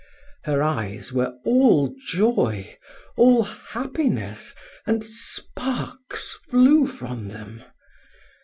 Her eyes were all joy, all happiness, and sparks flew from them.